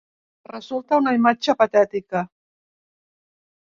Resulta una imatge patètica.